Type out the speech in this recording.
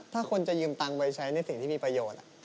ถ้าคนจะยืมตังค์ไปใช้ในสิ่งที่มีประโยชน์